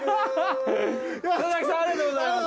佐々木さんありがとうございます。